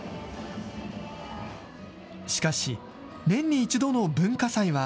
しかし、年に１度の文化祭は